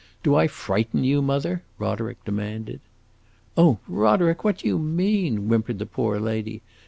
Do I frighten you, mother?" Roderick demanded. "Oh, Roderick, what do you mean?" whimpered the poor lady.